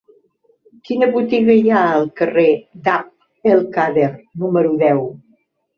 Quina botiga hi ha al carrer d'Abd el-Kader número deu?